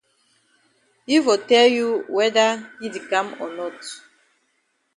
Yi for tell you whether yi di kam o not.